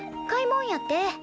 買い物やって。